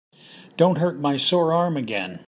Don't hurt my sore arm again.